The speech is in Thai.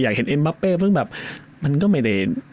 อยากเห็นเอ็นบ้าเป้มิวแบบมันก็ไม่ได้